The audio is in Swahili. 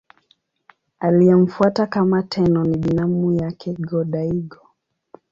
Aliyemfuata kama Tenno ni binamu yake Go-Daigo.